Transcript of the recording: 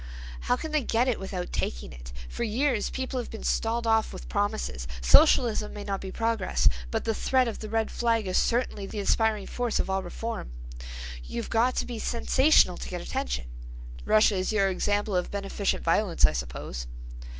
"How can they get it without taking it? For years people have been stalled off with promises. Socialism may not be progress, but the threat of the red flag is certainly the inspiring force of all reform. You've got to be sensational to get attention." "Russia is your example of a beneficent violence, I suppose?"